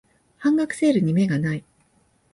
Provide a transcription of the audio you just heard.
半額セールに目がない